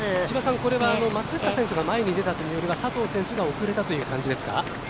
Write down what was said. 千葉さん、これは松下選手が前に出たというよりは佐藤選手が遅れたという感じですか？